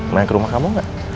main ke rumah kamu nggak